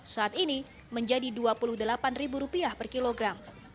saat ini menjadi rp dua puluh delapan per kilogram